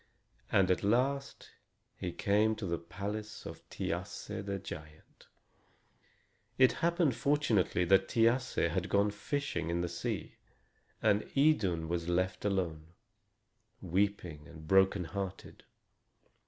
And at last he came to the palace of Thiasse the giant. It happened, fortunately, that Thiasse had gone fishing in the sea, and Idun was left alone, weeping and broken hearted.